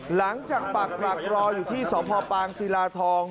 หลังจากปากปากรออยู่ที่สภปางศิราทอง